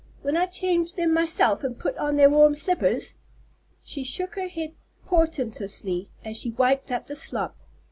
when I changed them myself and put on their warm slippers!" She shook her head portentously as she wiped up the slop.